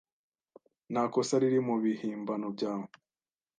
Nta kosa riri mu bihimbano byawe.